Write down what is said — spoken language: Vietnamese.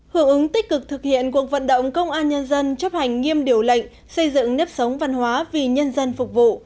hưởng ứng tích cực thực hiện cuộc vận động công an nhân dân chấp hành nghiêm điều lệnh xây dựng nếp sống văn hóa vì nhân dân phục vụ